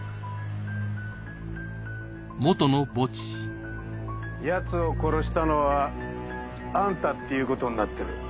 うっやつを殺したのはアンタっていうことになってる。